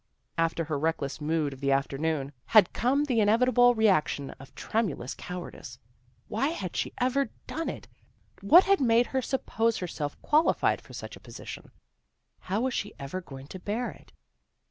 After her reckless mood of the ELAINE UPSETS TRADITION 283 afternoon had come the inevitable reaction of tremulous cowardice. Why had she ever done it? What had made her suppose herself quali fied for such a position? How was she ever going to bear it?